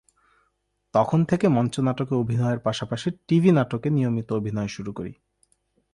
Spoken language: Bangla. তখন থেকে মঞ্চনাটকে অভিনয়ের পাশাপাশি টিভি নাটকে নিয়মিত অভিনয় শুরু করি।